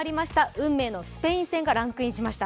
運命のスペイン戦がランクインしました。